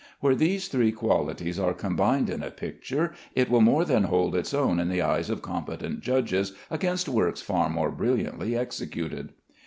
Where these three qualities are combined in a picture, it will more than hold its own in the eyes of competent judges against works far more brilliantly executed.